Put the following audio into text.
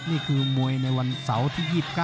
นี่คือมวยในวันเสาร์ที่๒๙